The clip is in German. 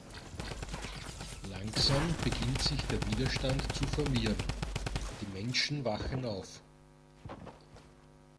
Langsam beginnt sich der Widerstand zu formieren, die Menschen wachen auf.